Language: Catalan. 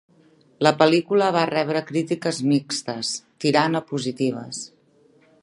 La pel·lícula va rebre crítiques mixtes, tirant a positives.